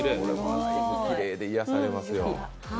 きれいで癒やされますよ。